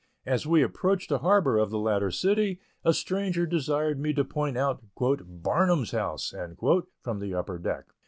As we approached the harbor of the latter city, a stranger desired me to point out "Barnum's house" from the upper deck.